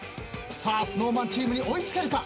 ＳｎｏｗＭａｎチームに追いつけるか？